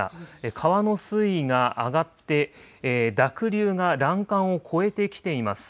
川の水位が上がって、濁流が欄干を越えてきています。